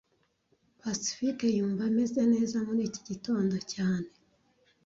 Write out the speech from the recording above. Pacifique yumva ameze neza muri iki gitondo cyane